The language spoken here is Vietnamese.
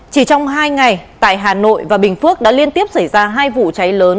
chỉ trong hai ngày tại hà nội và bình phước đã liên tiếp xảy ra hai vụ cháy lớn